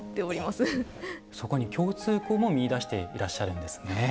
そこに共通項も見いだしていらっしゃるんですね。